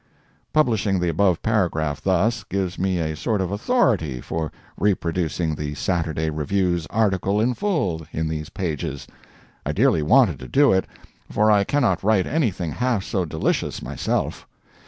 [Publishing the above paragraph thus, gives me a sort of authority for reproducing the "Saturday Review's" article in full in these pages. I dearly wanted to do it, for I cannot write anything half so delicious myself.